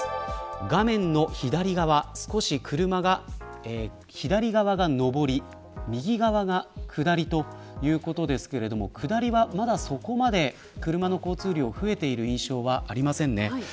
画面の左側が上り右側が下りということですが下りは、まだそこまで車の交通量が増えている印象はありません。